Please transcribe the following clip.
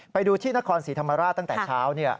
ไปดูที่นครศรีธรรมราชตั้งแต่เช้า